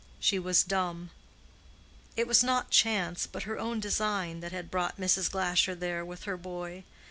She was dumb. It was not chance, but her own design, that had brought Mrs. Glasher there with her boy.